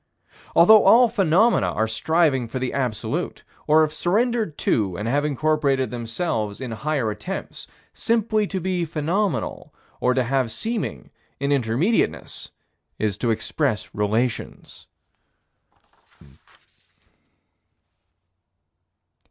Although all phenomena are striving for the Absolute or have surrendered to and have incorporated themselves in higher attempts, simply to be phenomenal, or to have seeming in Intermediateness is to express relations.